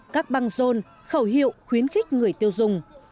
các băng rôn khẩu hiệu khuyến khích người tiêu dùng